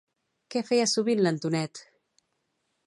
Què feia sovint l'Antonet?